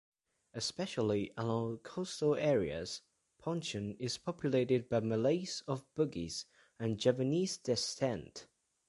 Especially along coastal areas, Pontian is populated by Malays of Bugis and Javanese descent.